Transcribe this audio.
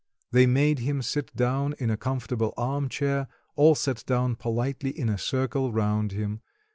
They made him sit down in a comfortable arm chair; all sat down politely in a circle round him.